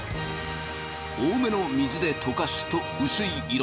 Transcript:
多めの水で溶かすとうすい色。